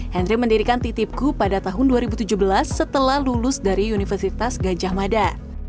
henry mendirikan titipku pada tahun dua ribu tujuh belas setelah lulus dari universitas gajah mada